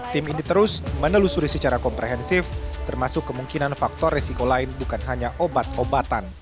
tim ini terus menelusuri secara komprehensif termasuk kemungkinan faktor resiko lain bukan hanya obat obatan